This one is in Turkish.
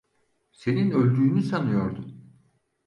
Senin öldüğünü sanıyordum.